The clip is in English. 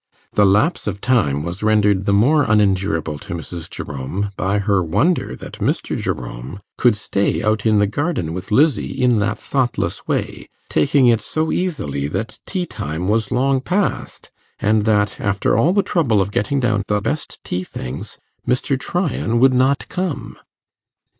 The lapse of time was rendered the more unendurable to Mrs. Jerome by her wonder that Mr. Jerome could stay out in the garden with Lizzie in that thoughtless way, taking it so easily that tea time was long past, and that, after all the trouble of getting down the best tea things, Mr. Tryan would not come.